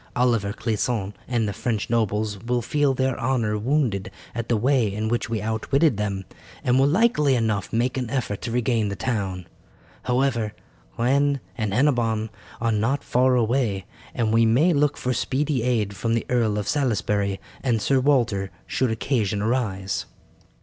Oliver Clisson and the French nobles will feel their honour wounded at the way in which we outwitted them, and will likely enough make an effort to regain the town. However, Rennes and Hennebon are not far away, and we may look for speedy aid from the Earl of Salisbury and Sir Walter should occasion arise."